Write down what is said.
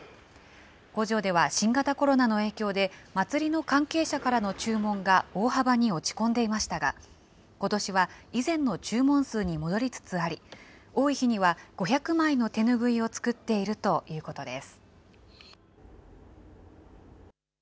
工場では、新型コロナの影響で、祭りの関係者からの注文が大幅に落ち込んでいましたが、ことしは以前の注文数に戻りつつあり、多い日には５００枚の手拭いを作っているということです。